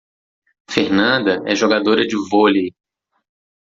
Fernanda é jogadora de vôlei.